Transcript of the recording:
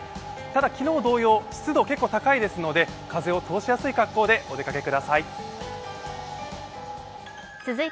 ただ昨日同様、湿度が結構高いので風を通しやすい格好でお出かけください。